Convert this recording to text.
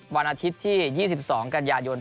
วันอาทิตย์ที่๒๒กันยายน